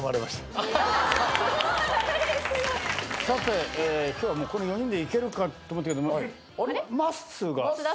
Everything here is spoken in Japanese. さて今日はこの４人でいけるかと思ったけどまっすーが。